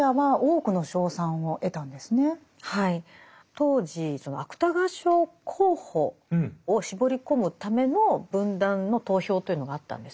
当時芥川賞候補を絞り込むための文壇の投票というのがあったんですね。